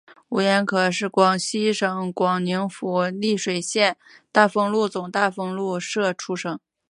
吴廷可是广平省广宁府丽水县大丰禄总大丰禄社出生。